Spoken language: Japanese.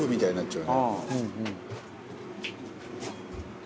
うん。